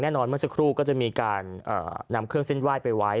แน่นอนเมื่อสักครู่ก็จะมีการนำเครื่องเส้นไหว้ไปไว้